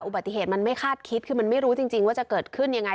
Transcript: อุบัติเหตุมันไม่คาดคิดคือมันไม่รู้จริงว่าจะเกิดขึ้นยังไง